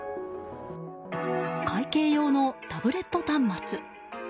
会計用のタブレット端末。